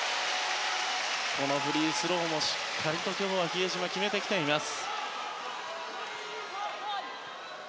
このフリースローも、しっかり比江島決めてきています。